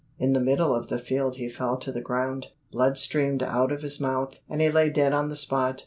In the middle of the field he fell to the ground, blood streamed out of his mouth, and he lay dead on the spot.